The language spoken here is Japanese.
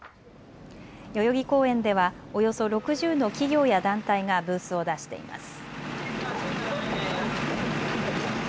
代々木公園ではおよそ６０の企業や団体がブースを出しています。